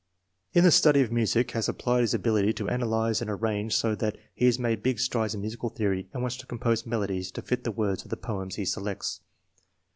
"In the study of music has applied his ability to analyze and arrange so that he has made big strides in musical theory and wants to compose melodies to fit the words of the poems he selects.